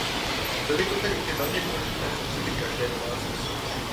Byly to tedy dvě velmi důležité potřeby každé domácnosti.